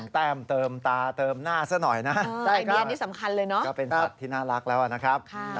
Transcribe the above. แต่งตาแต่มตาแต่มหน้าซักหน่อยนะ